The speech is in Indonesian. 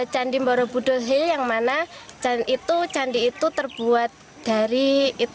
candi borobudur's hill yang mana candi itu terbuat dari pohon teh